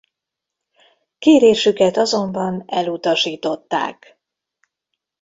Kérésüket azonban elutasították.